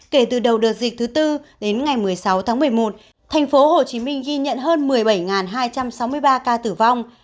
kể từ đầu đợt dịch thứ tư đến ngày một mươi sáu tháng một mươi một tp hcm ghi nhận hơn một mươi bảy hai trăm sáu mươi ba ca tử vong